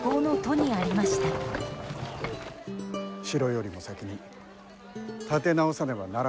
城よりも先に立て直さねばならぬものがある。